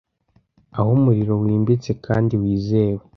aho umuriro wimbitse kandi wizewe